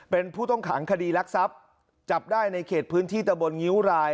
เป็นผู้ต้องขังคดีรักทรัพย์จับได้ในเขตพื้นที่ตะบนงิ้วราย